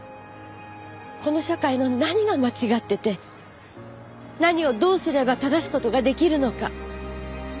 この社会の何が間違ってて何をどうすれば正す事ができるのか。